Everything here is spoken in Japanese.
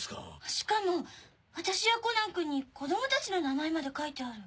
しかも私やコナンくんに子供たちの名前まで書いてある。